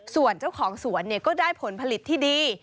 ส่วนเจ้าของสวนก็ได้ผลผลิตที่ดี